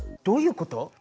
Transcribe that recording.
どういうこと？